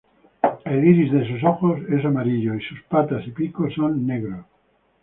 El iris de sus ojos es amarillo, y sus patas y pico son negros.